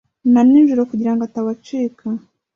na nijoro kugira ngo atabacika.